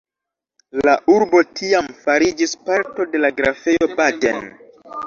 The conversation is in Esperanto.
La urbo tiam fariĝis parto de la Grafejo Baden.